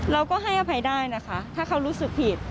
เราก็ให้อภัยได้นะคะถ้าเขารู้สึกผิด